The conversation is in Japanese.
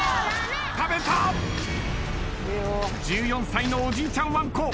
１４歳のおじいちゃんわんこ。